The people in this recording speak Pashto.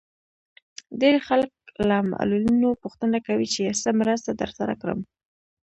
ډېری خلک له معلولينو پوښتنه کوي چې څه مرسته درسره وکړم.